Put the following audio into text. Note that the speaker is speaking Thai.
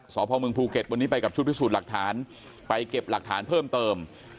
สพมภูเก็ตวันนี้ไปกับชุดพิสูจน์หลักฐานไปเก็บหลักฐานเพิ่มเติม